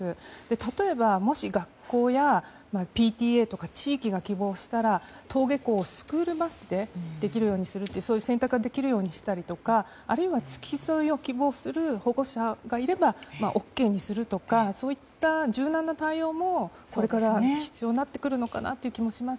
例えばもし学校やＰＴＡとか地域が希望したら登下校をスクールバスでできるようにするなどそういう選択ができるようにしたりとかあるいは付き添いを希望する保護者がいればＯＫにするとかそういった柔軟な対応もこれから必要になってくるのかなという気がします。